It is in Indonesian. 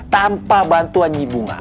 tanpa bantuan nyibungan